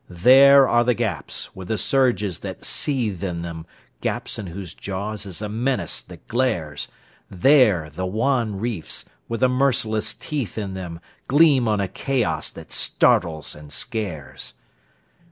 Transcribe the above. There are the gaps, with the surges that seethe in them—Gaps in whose jaws is a menace that glares! There the wan reefs, with the merciless teeth in them, Gleam on a chaos that startles and scares!